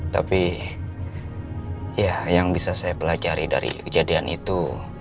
tapi ya yang bisa saya pelajari dari kejadian itu